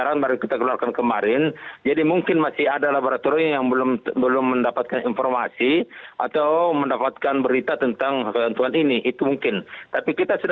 harganya masih berbeda beda